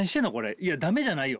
いや駄目じゃないよ。